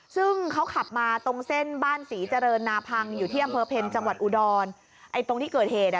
ซึ่งเขาขับมาตรงเส้นบ้านศรีเจริญนาพังอยู่ที่อำเภอเพ็ญจังหวัดอุดรไอ้ตรงที่เกิดเหตุอ่ะ